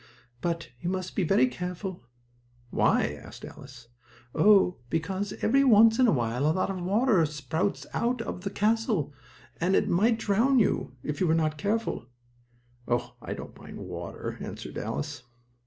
"But you must be very careful." "Why?" asked Alice. "Oh, because every once in a while a lot of water spouts up out of the castle, and it might drown you, if you were not careful." "Oh, I don't mind water," answered Alice.